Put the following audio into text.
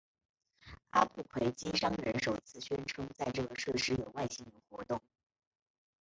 阿布奎基商人首次宣称在这个设施有外星人活动。